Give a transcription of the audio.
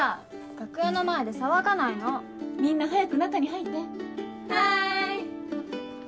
楽屋の前で騒がないのみんな早く中に入ってはい！